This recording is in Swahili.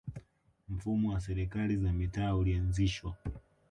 mfumo wa serikali za mitaa ulianzishwa